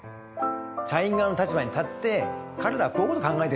社員側の立場に立って彼らはこういうことを考えてるんだよ